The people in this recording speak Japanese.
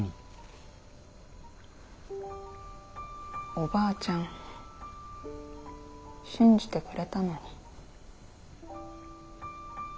おばあちゃん信じてくれたのに。